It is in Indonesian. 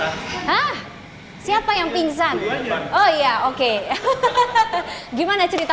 nge roasting terlalu panas gitu ya